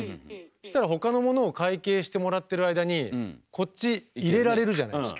そしたら他のものを会計してもらってる間にこっちいれられるじゃない？